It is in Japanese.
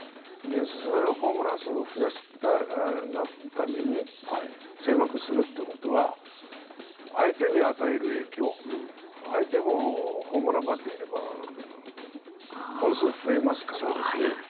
それをホームラン数を増やしたいがために狭くするということは、相手に与える影響相手もホームランバッターは本数が増えますから。